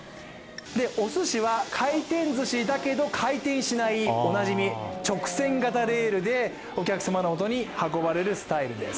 おすしは回転ずしだけど回転しないおなじみ、直線型レールでお客様のもとに運ばれるスタイルです。